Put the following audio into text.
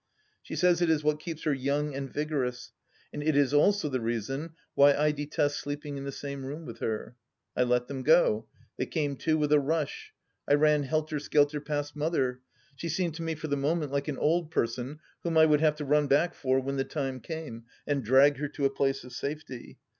She says it is what keeps her young and vigorous, and it is also the reason why I detest sleeping in the same room with her. I let them go. They came to with a rush. I ran helter skelter past Mother. She seemed to me for the moment like an old person whom I would have to nm back for when the time came, and drag her to a place of safety.